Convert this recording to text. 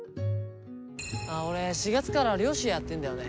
ああ俺４月から漁師やってんだよね。